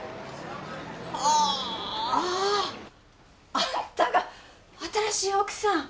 あんたが新しい奥さん？